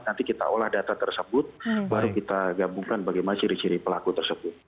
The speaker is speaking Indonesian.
nanti kita olah data tersebut baru kita gabungkan bagaimana ciri ciri pelaku tersebut